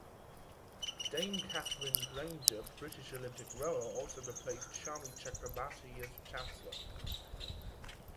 Dame Katherine Grainger British Olympic rower also replaced Shami Chakrabarti as Chancellor.